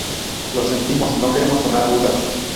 Lo sentimos, no queremos sonar rudas.